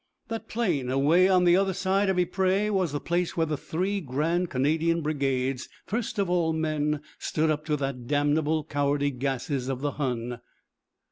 That plain away on the other side of Ypres was the place where the three grand Canadian brigades, first of all men, stood up to the damnable cowardly gases of the Hun.